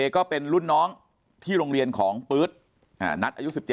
ใช่ค่ะ